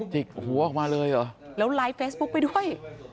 จิกหัวออกมาเลยเหรอแล้วไลฟ์เฟซบุ๊คไปด้วย